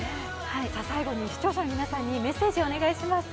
最後に、視聴者の皆さんにメッセージをお願いします。